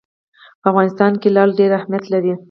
په افغانستان کې لعل ډېر اهمیت لري.